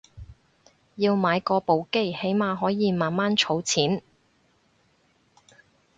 要買過部機起碼可以慢慢儲錢